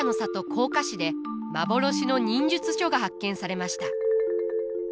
甲賀市で幻の忍術書が発見されました。